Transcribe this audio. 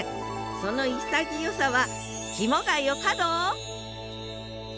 その潔さはきもがよかど！